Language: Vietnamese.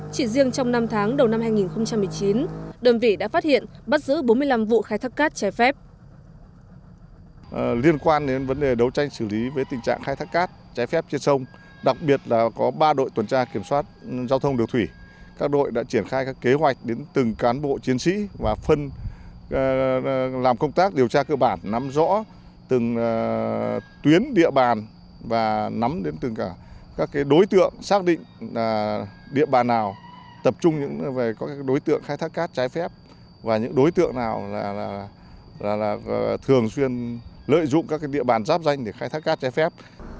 chỉ riêng trong năm tháng đầu năm hai nghìn một mươi chín đơn vị đã phát hiện bắt giữ bốn mươi năm vụ khai thác cát trái phép